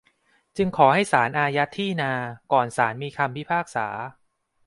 จึงขอให้ศาลอายัดที่นา ก่อนศาลมีคำพิพากษา